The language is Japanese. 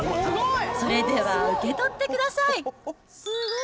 それでは受け取ってください。